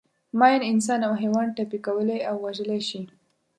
ماین انسان او حیوان ټپي کولای او وژلای شي.